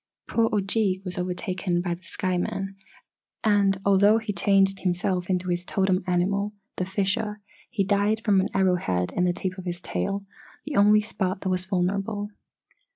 "Poor Ojeeg was overtaken by the sky men and, although he changed himself into his totem animal, the fisher, he died from an arrow head in the tip of his tail the only spot that was vulnerable.